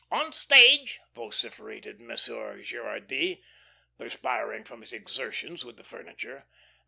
"On stage," vociferated Monsieur Gerardy, perspiring from his exertions with the furniture.